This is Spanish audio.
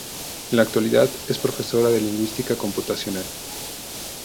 En la actualidad es profesora de Lingüística Computacional.